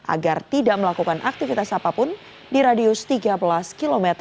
agar tidak melakukan aktivitas apapun di radius tiga belas km